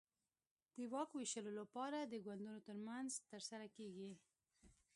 د واک وېشلو لپاره د ګوندونو ترمنځ ترسره کېږي.